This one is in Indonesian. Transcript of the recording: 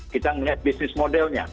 kita melihat business modelnya